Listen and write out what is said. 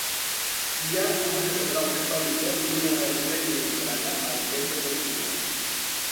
Hi ha una catedral catòlica i una església luterana al centre de ciutat.